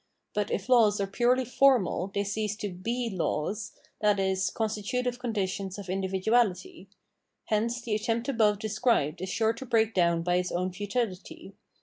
But if laws are purely formal, they cease to he "laws," ie. constitutive conditions of individuality. Hence the attempt above described is sure to break down by its own futility.